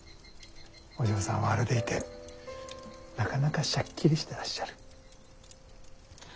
お嬢さんはあれでいてなかなかシャッキリしてらっしゃる。